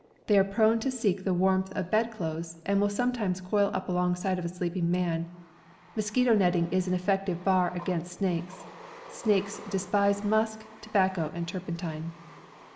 They are prone to seek the warmth of bed clothes, and will sometimes coil up alongside of a sleeping man. Mosquito netting is an effective bar against snakes. Snakes despise musk, tobacco, and turpentine.